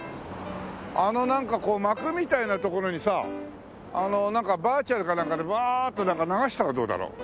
あのなんかこう幕みたいな所にさなんかバーチャルかなんかでバーッとなんか流したらどうだろう。